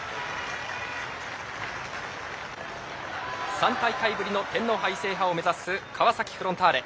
３大会ぶりの天皇杯制覇を目指す川崎フロンターレ。